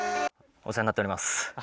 お世話になってます。